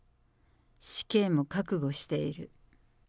死刑も覚悟している。